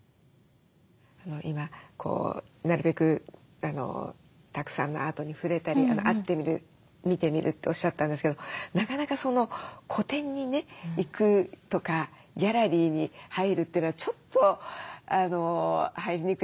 今なるべくたくさんのアートに触れたり会ってみる見てみるっておっしゃったんですけどなかなか個展にね行くとかギャラリーに入るというのがちょっと入りにくい感じもあるんですけど。